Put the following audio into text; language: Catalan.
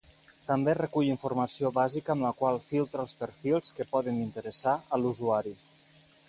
També recull informació bàsica, amb la qual filtra els perfils que poden interessar a l'usuari.